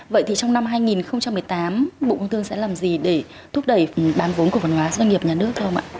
vậy thì trong năm hai nghìn một mươi tám bộ công thương sẽ làm gì để thúc đẩy bán vốn cổ phần hóa doanh nghiệp nhà nước thưa ông ạ